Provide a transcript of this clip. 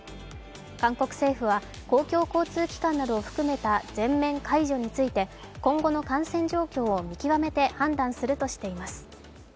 韓国政府は、公共交通機関などを含めた全面解除ついて今後の感染状況を見極めて判断するとしています。